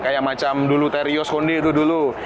kayak macam dulu terios hondi itu dulu